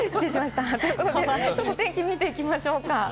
天気を見ていきましょう。